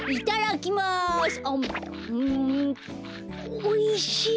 おいしい！